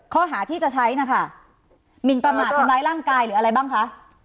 ข้อหาที่จะใช้นะคะหมินประมาททำร้ายร่างกายหรืออะไรบ้างคะ